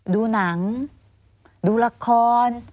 ดูหนังดูละคร